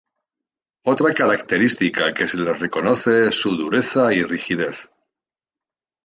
Otra característica que se les reconoce es su "dureza" y "rigidez".